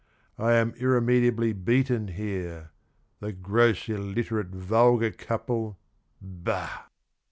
I am irremediably beaten here, — The gross illiterate vulgar couple, — bah